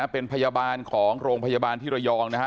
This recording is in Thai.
เป็นพยาบาลของโรงพยาบาลที่ระยองนะฮะ